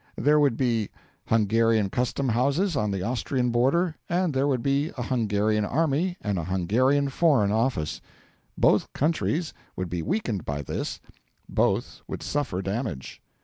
There would be Hungarian custom houses on the Austrian border, and there would be a Hungarian army and a Hungarian foreign office. Both countries would be weakened by this, both would suffer damage.